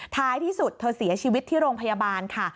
ท้ายที่สุดเธอเสียชีวิตที่โรงพยาบาลค่ะ